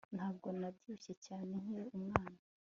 Ntabwo nabyibushye cyane nkiri umwana